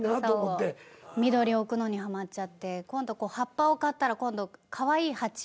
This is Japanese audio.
緑置くのにハマっちゃって今度葉っぱを買ったら今度かわいい鉢。